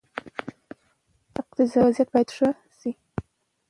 اقتصادي وضعیت باید ښه شي.